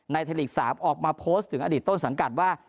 ไทยลีก๓ออกมาโพสต์ถึงอดีตต้นสังกัดว่า